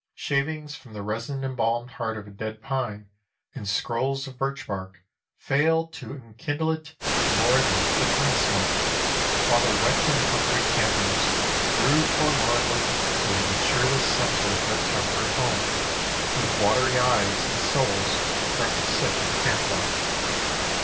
Shavings from the resin embalmed heart of a dead pine and scrolls of birch bark fail to enkindle it to more than flicker and smoke, while the wet and hungry campers brood forlornly over the cheerless centre of their temporary home, with watery eyes and souls growing sick of camp life.